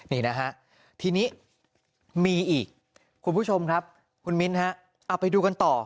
นี่นะฮะทีนี้มีอีกคุณผู้ชมครับคุณมิ้นฮะเอาไปดูกันต่อ